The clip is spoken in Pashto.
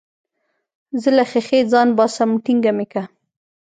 زه له ښيښې ځان باسم ټينګه مې که.